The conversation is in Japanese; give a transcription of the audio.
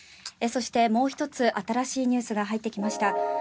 そして、もう１つ新しいニュースが入ってきました。